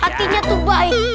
hatinya tuh baik